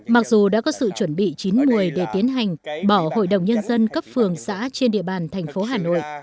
mặc dù đã có sự chuẩn bị chín một mươi để tiến hành bỏ hội đồng dân dân cấp phường xã trên địa bàn thành phố hà nội